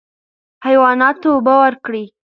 حیواناتو ته اوبه ورکړئ.